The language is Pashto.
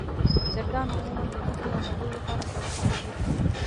چرګان عموماً د غوښې او هګیو لپاره ساتل کېږي.